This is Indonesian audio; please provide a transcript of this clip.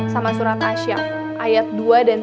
sama surat asyaf ayat dua dan tiga